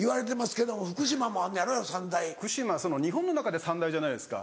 日本の中で三大じゃないですか。